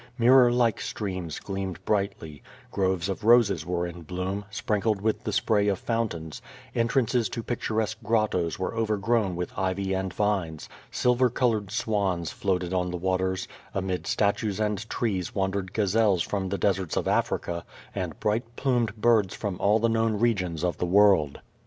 Mirror like streams gleamed brightly; groves of roses were in bloom, sprinkled with the spray of fountains; entrances to picturesque grottoes were overgrown with ivy and vines; silver colored swans floated on the waters; amid statues and trees wandered gazelles from the deserts of Africa^ and bright plumed birds from all the kno\i7i regions of the world.